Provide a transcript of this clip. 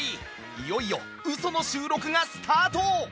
いよいよウソの収録がスタート！